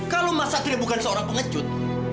kalau mas satria bukan seorang pengecut